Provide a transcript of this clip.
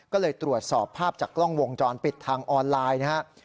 ก็เลยตรวจสอบภาพจากกล้องวงจรปิดทางออนไลน์นะครับ